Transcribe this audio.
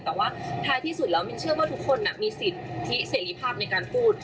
แต่ว่าท้ายที่สุดแล้วมินเชื่อว่าทุกคนมีสิทธิเสรีภาพในการพูด